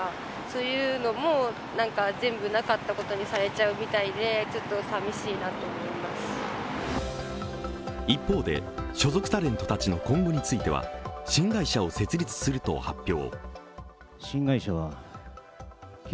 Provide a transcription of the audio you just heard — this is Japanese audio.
ジャニーズという名前については一方で所属タレントたちの今後については新会社を設立すると発表。